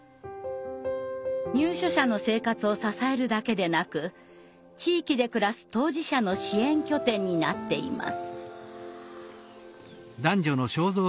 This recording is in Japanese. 入所者の生活を支えるだけでなく地域で暮らす当事者の支援拠点になっています。